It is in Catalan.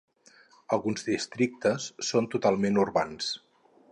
Alguns districtes són totalment urbans.